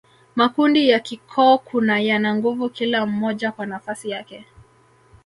Makundi ya kikoo kuwa yana nguvu kila mmoja kwa nafasi yake